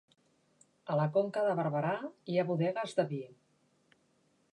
A la Conca de Barberà hi ha bodegues de vi